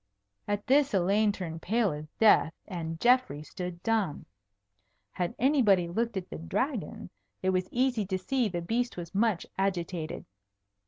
At this Elaine turned pale as death, and Geoffrey stood dumb. Had anybody looked at the Dragon, it was easy to see the beast was much agitated.